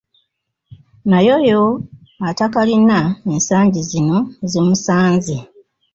Naye oyo atakalina ensangi zino zimusanze.